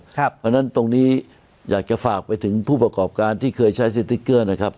เพราะฉะนั้นตรงนี้อยากจะฝากไปถึงผู้ประกอบการที่เคยใช้สติ๊กเกอร์นะครับ